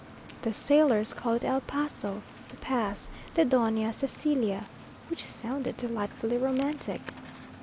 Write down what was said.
The sailors called it "El Paso" (the pass) "de Doña Cecilia;" which sounded delightfully romantic.